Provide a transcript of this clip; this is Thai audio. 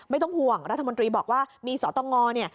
ไม่ต้องห่วงรัฐมนตรีบอกว่ามีสตงเนี่ย